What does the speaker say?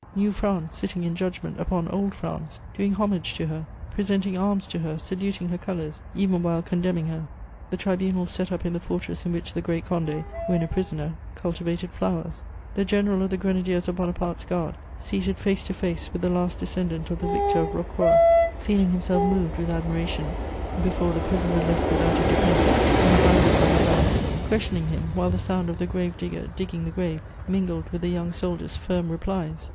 New France sitting in judgment upon Old France, doing homage to her, presenting arms to her, saluting her colours, even while condemning her; the tribunal set up in the fortress in which the great Condé, when a prisoner, cultivated flowers; the General of the Grenadiers of Bonaparte's Guard seated face to face with the last descendant of the victor of Rocroi, feeling himself moved with admiration before the prisoner left without a defender and abandoned by the world, questioning him while the sound of the gravedigger digging the grave mingled with the young soldier's firm replies!